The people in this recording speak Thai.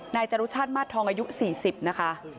นายจรุชาติมาสทองอายุ๔๐นะคะ